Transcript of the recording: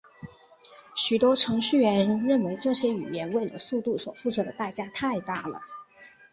许多程序员认为这些语言为了速度所付出的代价太大了。